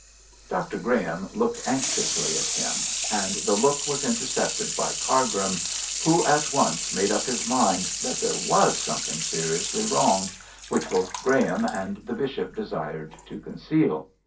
Dr Graham looked anxiously at him, and the look was intercepted by Cargrim, who at once made up his mind that there was something seriously wrong, which both Graham and the bishop desired to conceal.